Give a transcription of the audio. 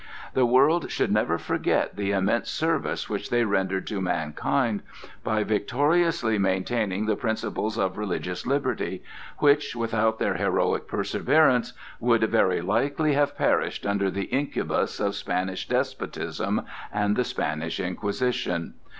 The world should never forget the immense service which they rendered to mankind by victoriously maintaining the principles of religious liberty, which, without their heroic perseverance, would very likely have perished under the incubus of Spanish despotism and the Spanish Inquisition.